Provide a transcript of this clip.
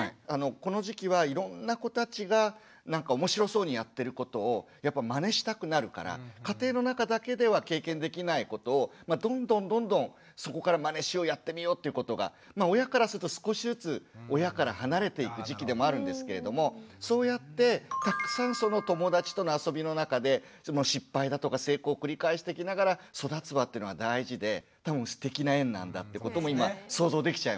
この時期はいろんな子たちが何か面白そうにやってることをやっぱマネしたくなるから家庭の中だけでは経験できないことをどんどんどんどんそこからマネしようやってみようっていうことが親からすると少しずつ親から離れていく時期でもあるんですけれどもそうやってたくさんその友達との遊びの中で失敗だとか成功を繰り返していきながら育つ輪っていうのが大事で多分すてきな園なんだってことも今想像できちゃいました。